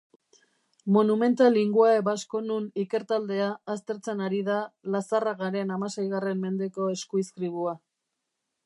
Monumenta Linguae Vasconum ikertaldea aztertzen ari da Lazarragaren hamaseigarren mendeko eskuizkribua.